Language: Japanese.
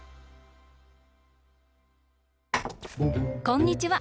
こんにちは。